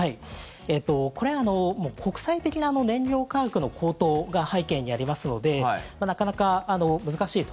これはもう国際的な燃料価格の高騰が背景にありますのでなかなか難しいと。